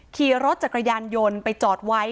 ขี่รถจักรยานยนต์ไปจอดไว้